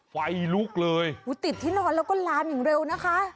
ไฟลุกเลยอุ้ยติดที่นอนแล้วก็ลามอย่างเร็วนะคะ